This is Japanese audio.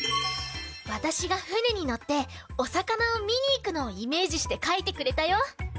わたしがふねにのっておさかなをみにいくのをイメージしてかいてくれたよ。